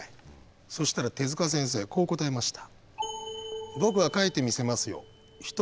そしたら手先生こう答えました。